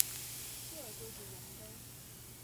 这就是容庚。